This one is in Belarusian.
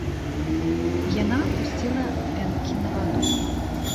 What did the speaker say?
Яна пусціла вянкі на ваду.